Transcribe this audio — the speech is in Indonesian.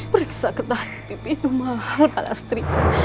periksa ketahuan pipi itu mahal pak lasri